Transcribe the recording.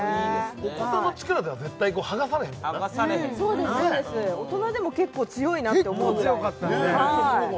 お子さんの力では絶対剥がされへんもんな大人でも結構強いなって結構強かったよね